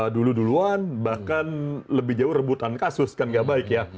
dulu duluan bahkan lebih jauh rebutan kasus kan gak baik ya